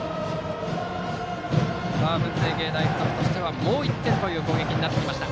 文星芸大付属としてはもう１点という攻撃となりました